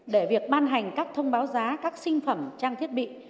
để việc ban hành các thông báo giá các sinh phẩm trang thiết bị